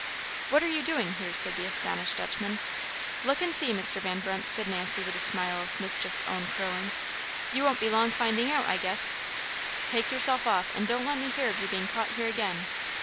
"What are you doing here?" said the astonished Dutchman. "Look and see, Mr. Van Brunt," said Nancy with a smile of mischief's own curling; "you won't be long finding out, I guess." "Take yourself off, and don't let me hear of your being caught here again."